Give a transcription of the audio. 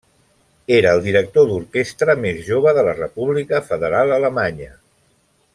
Era el director d'orquestra més jove de la República Federal Alemanya.